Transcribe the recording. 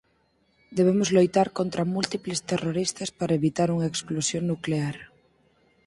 Debemos loitar contra múltiples terroristas para evitar unha explosión nuclear.